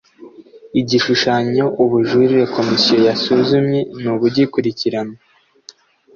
igishushanyo ubujurire komisiyo yasuzumye n ubugikurikiranwa